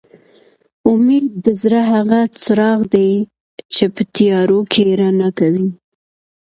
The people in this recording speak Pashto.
اميد د زړه هغه څراغ دي چې په تيارو کې رڼا کوي